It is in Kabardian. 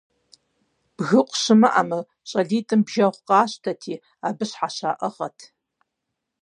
Бгыкъу щымыӀэмэ, щӀалитӀым бжэгъу къащтэрти, абы щхьэщаӀыгъэт.